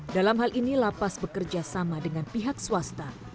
dalam hal ini lapas bekerja sama dengan pihak swasta